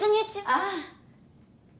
ああ！